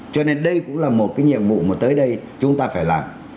cho nên đây cũng là một cái nhiệm vụ mà tới đây chúng ta phải làm